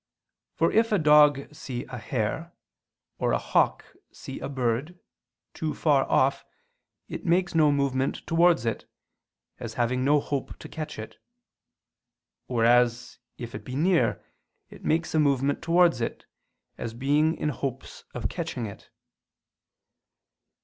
For if a dog see a hare, or a hawk see a bird, too far off, it makes no movement towards it, as having no hope to catch it: whereas, if it be near, it makes a movement towards it, as being in hopes of catching it.